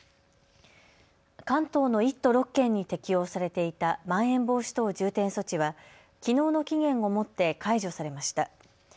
関東の１都６県に適用されていたまん延防止等重点措置はきのうの期限をもって解除されました。